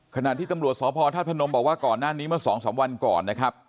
ขณะที่ตำรวจสพธาตุพนมบอกว่าก่อนหน้านี้เมื่อ๒๓วันก่อนนะครับ